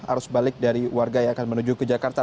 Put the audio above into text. arus balik dari warga yang akan menuju ke jakarta